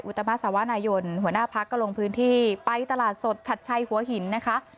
อุโตมะสัวรรณายนผู้น่าภักด์ก็ลงพื้นที่ไปตลาดสดชัดใช่หัวหินนะคะ